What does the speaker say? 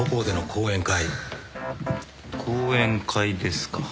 講演会ですか。